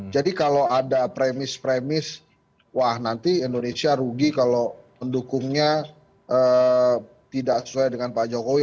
jadi kalau ada premis premis wah nanti indonesia rugi kalau pendukungnya tidak sesuai dengan pak jokowi